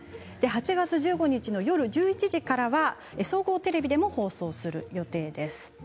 ８月１５日の夜１１時からは総合テレビでも放送する予定です。